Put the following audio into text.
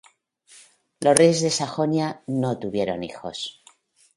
Los reyes de Sajonia no tuvieron hijos.